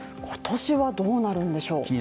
今年はどうなるんでしょう。